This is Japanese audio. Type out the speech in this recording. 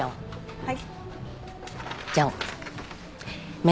はい。